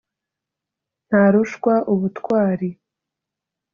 ntarushwa ubutwari,